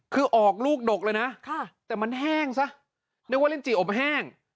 คือออกลูกดกเลยนะแต่มันแห้งซะนึกว่าเล่นจีอบแห้ง